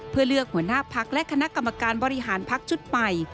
เพื่อเลือกหัวหน้าพักและคณะกรรมการบริหารพักชุดใหม่